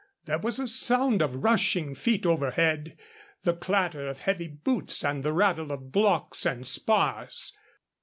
There was a sound of rushing feet overhead, the clatter of heavy boots, and the rattle of blocks and spars.